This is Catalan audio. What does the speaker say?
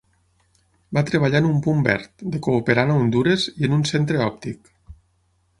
Va treballar en un punt verd, de cooperant a Hondures i en un centre òptic.